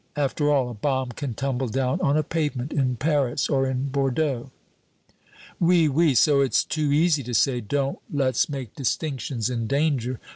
After all, a bomb can tumble down on a pavement, in Paris or in Bordeaux." "Oui, oui; so it's too easy to say, 'Don't let's make distinctions in danger!'